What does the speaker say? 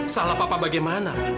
salah papa bagaimana